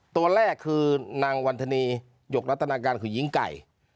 ตัวแรกคือนางวันธนีหยกรัฐนาการคือหญิงไก่